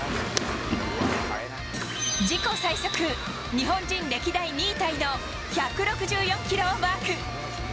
自己最速、日本人歴代２位タイの１６４キロをマーク。